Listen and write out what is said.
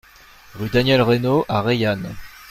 Rue Daniel Reynaud à Reillanne